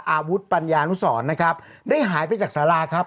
อาวุธปัญญานุสรนะครับได้หายไปจากสาราครับ